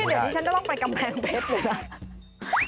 เดี๋ยวนี้ฉันจะต้องไปกำแพงเพชรเลยนะ